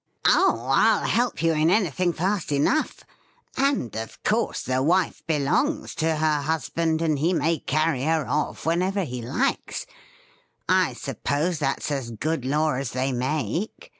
' Oh ! I'll help you in anything fast enough ; and, of course, the wife belongs to her husband, and he may carry her off whenever he likes. I suppose that's as good law as they make.